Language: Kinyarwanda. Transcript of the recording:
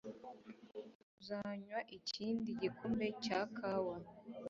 Uzanywa ikindi gikombe cya kawa?